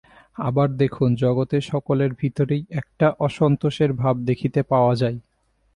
আবার দেখুন, জগতে সকলের ভিতরেই একটা অসন্তোষের ভাব দেখিতে পাওয়া যায়।